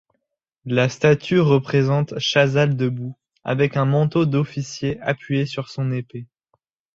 La statue représente Chazal debout, avec un manteau d'officier appuyé sur son épée.